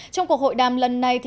trong cuộc hội đàm lần này